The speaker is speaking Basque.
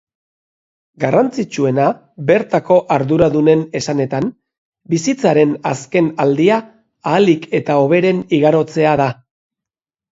Garrantzitsuena bertako arduradunen esanetan, bizitzaren azken aldia ahalik eta hoberen igarotzea da.